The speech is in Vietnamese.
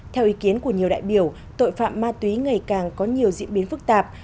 theo ý kiến của nhiều đại biểu tội phạm ma túy ngày càng có nhiều diễn biến phức tạp